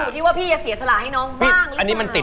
สวัสดีครับ